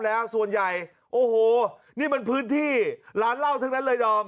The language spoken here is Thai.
แล้วส่วนใหญ่โอ้โหนี่มันพื้นที่ร้านเหล้าทั้งนั้นเลยดอม